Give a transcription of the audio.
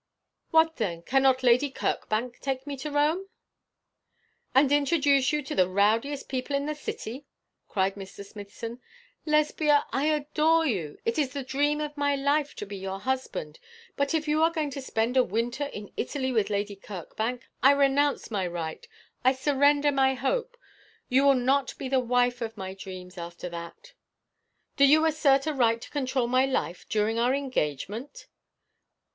'What then cannot Lady Kirkbank take me to Rome?' 'And introduce you to the rowdiest people in the city,' cried Mr. Smithson. 'Lesbia, I adore you. It is the dream of my life to be your husband; but if you are going to spend a winter in Italy with Lady Kirkbank, I renounce my right, I surrender my hope. You will not be the wife of my dreams after that.' 'Do you assert a right to control my life during our engagement?'